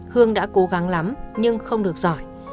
hương đã cố gắng lắm nhưng không được giỏi